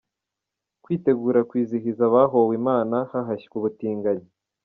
Kwitegura kwizihiza abahowe Imana, hahashywa ubutinganyi.